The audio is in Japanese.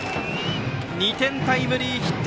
２点タイムリーヒット。